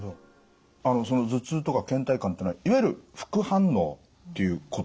その頭痛とかけん怠感というのはいわゆる副反応ということなんですかね？